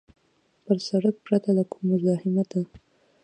پر سړک پرته له کوم مزاحمته.